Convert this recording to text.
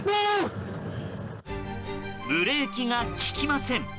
ブレーキが利きません。